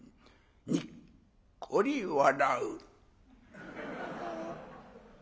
にっこり笑う」。